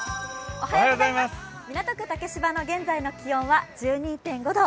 港区竹芝の現在の気温は１２．５度。